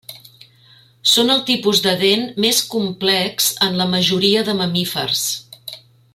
Són el tipus de dent més complex en la majoria de mamífers.